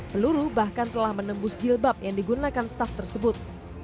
peluru bahkan telah menembus jilbab yang digunakan staff tersebut